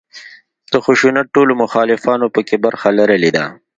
د خشونت ټولو مخالفانو په کې برخه لرلې ده.